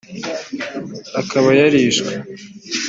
ikaba yarishwe